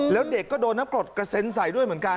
แล้วเด็กก็โดนน้ำกรดกระเซ็นใส่ด้วยเหมือนกัน